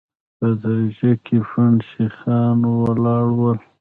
په دريڅه کې پنډ سيخان ولاړ ول.